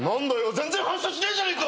全然発車しねえじゃねえか！